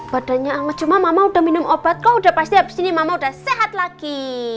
badannya anget cuma mama udah minum obat kok udah pasti habis ini mama udah sehat lagi